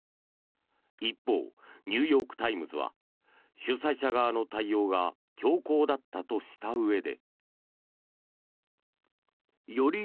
一方、ニューヨーク・タイムズは主催者側の対応が強硬だったとしたうえで。